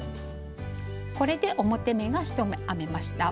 これで表目が１目編めました。